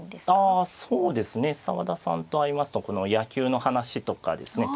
あそうですね澤田さんと会いますと野球の話とかですね